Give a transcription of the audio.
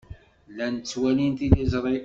Llan ttwalin tiliẓri.